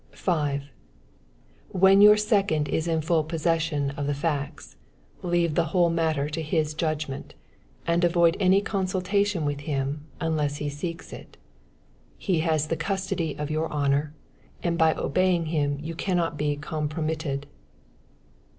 5. When your second is in full possession of the facts, leave the whole matter to his judgment, and avoid any consultation with him unless he seeks it. He has the custody of your honor, and by obeying him you cannot be compromitted.